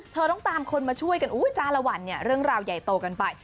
ต้องตามคนมาช่วยกันจ้าละวันเนี่ยเรื่องราวใหญ่โตกันไป